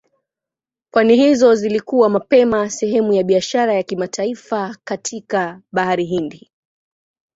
Pwani hizo zilikuwa mapema sehemu ya biashara ya kimataifa katika Bahari Hindi.